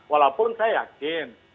walaupun saya yakin